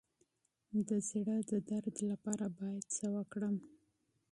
د زړه د درد لپاره باید څه وکړم؟